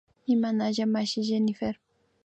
Imanalla mashi Jenyfer